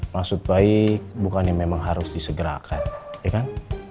maksud baik bukan yang memang harus disegerakan ya kan